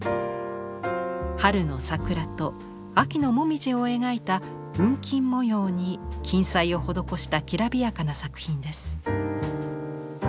春の桜と秋の紅葉を描いた雲錦模様に金彩を施したきらびやかな作品です。